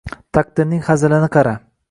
— Taqdirning hazilini qara